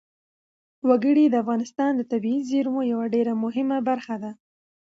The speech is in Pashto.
وګړي د افغانستان د طبیعي زیرمو یوه ډېره مهمه برخه ده.